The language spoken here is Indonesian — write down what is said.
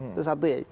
itu satu ya